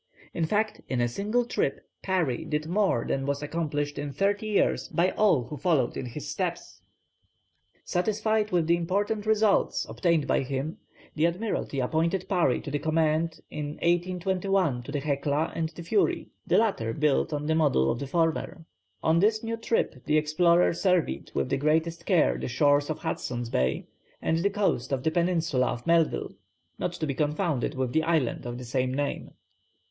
In fact in a single trip Parry did more than was accomplished in thirty years by all who followed in his steps. Satisfied with the important results obtained by him, the Admiralty appointed Parry to the command in 1821 of the Hecla and the Fury, the latter built on the model of the former. On this new trip the explorer surveyed with the greatest care the shores of Hudson's Bay and the coast of the peninsula of Melville, not to be confounded with the island of the same name.